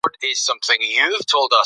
پرنګیان د غازيانو د قوت سره مخ سول.